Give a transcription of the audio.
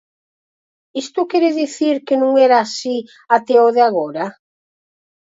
Isto quere dicir que non era así até o de agora?